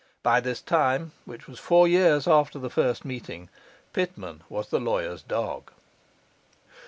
By this time, which was four years after the first meeting, Pitman was the lawyer's dog.